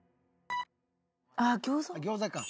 あっ餃子。